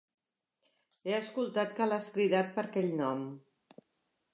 He escoltat que l"has cridat per aquell nom.